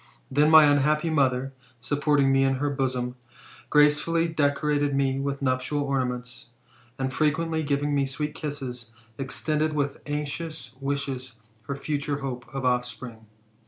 Then my unhappy mother, supporting me in her bosom, gracefully decorated me with nuptial ornaments, and frequently giving me sweet kisses, extended with anxious wishes her future hope of offspring.